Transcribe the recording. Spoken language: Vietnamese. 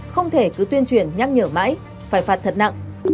không thể cứ tuyên truyền nhắc nhở mãi phải phạt thật nặng